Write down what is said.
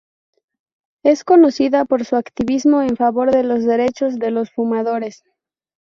Es conocida por su activismo en favor de los derechos de los fumadores.